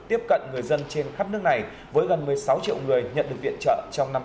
tiếp cận người dân trên khắp nước này với gần một mươi sáu triệu người nhận được viện trợ trong năm hai nghìn hai mươi